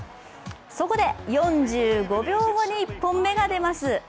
そこで、４５秒後に１本目が出ます。